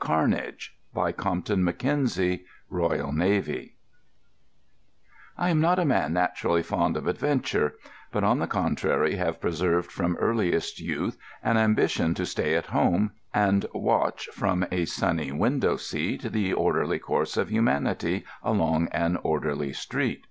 Carnage By Compton Mackenzie Royal Navy I am not a man naturally fond of adventure, but on the contrary have preserved from earliest youth an ambition to stay at home and watch from a sunny window seat the orderly course of humanity along an orderly street.